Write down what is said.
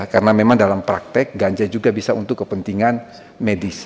karena memang dalam praktek ganja juga bisa untuk kepentingan medis